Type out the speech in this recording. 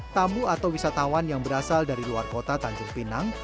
tamu atau wisatawan yang berasal dari luar kota tanjung pinang